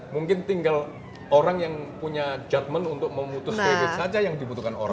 mungkin tinggal orang yang punya judgment untuk memutus kredit saja yang dibutuhkan orang